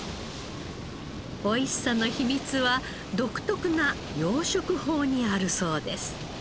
おいしさの秘密は独特な養殖法にあるそうです。